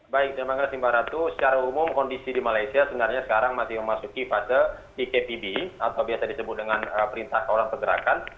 baik terima kasih mbak ratu secara umum kondisi di malaysia sebenarnya sekarang masih memasuki fase ekpb atau biasa disebut dengan perintah seorang pergerakan